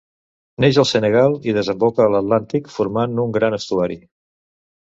Neix al Senegal i desemboca a l'Atlàntic formant un gran estuari.